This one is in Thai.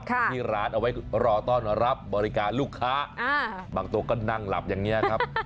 ที่ร้านเอาไว้รอต้อนรับบริการลูกค้าบางตัวก็นั่งหลับอย่างนี้ครับ